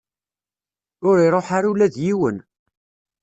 Ur iruḥ ara ula d yiwen.